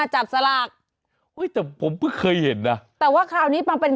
จับสลากได้ไกล